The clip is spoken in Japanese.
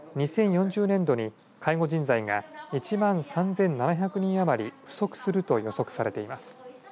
２０４０年度に介護人材が１万３７００人余り不足すると予測されています。